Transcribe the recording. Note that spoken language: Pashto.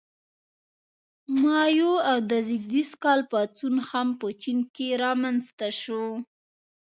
مائو او د ز کال پاڅون هم په چین کې رامنځته شو.